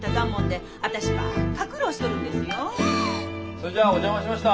それじゃお邪魔しました。